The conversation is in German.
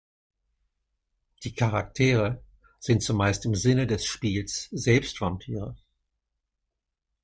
Die Charaktere sind zumeist im Sinne des Spiels selbst Vampire.